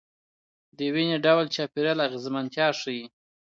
دویني ډول چاپیریال اغېزمنتیا ښيي.